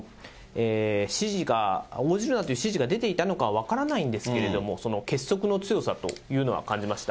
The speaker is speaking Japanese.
指示が、応じるなっていう指示が出ていたのかは分からないんですけれども、結束の強さというのは感じました。